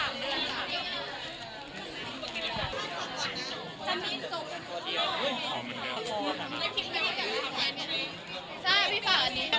มิ้นทร์ค่ะก้อนดินนะ